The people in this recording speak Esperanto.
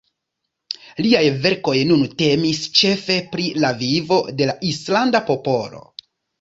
Liaj verkoj nun temis ĉefe pri la vivo de la islanda popolo.